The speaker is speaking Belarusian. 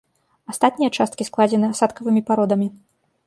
Астатнія часткі складзены асадкавымі пародамі.